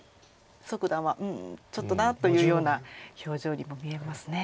蘇九段は「うんちょっとな」というような表情にも見えますね。